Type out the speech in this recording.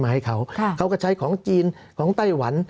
สำหรับกำลังการผลิตหน้ากากอนามัย